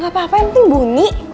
gapapa yang penting bunyi